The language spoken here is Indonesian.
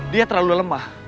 dia terlalu lemah